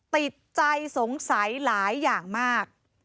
ติดใจสงสัยหลายอย่างมาก